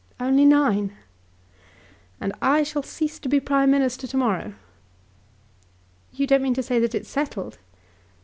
"Only nine!" "And I shall cease to be Prime Minister to morrow." "You don't mean to say that it's settled?"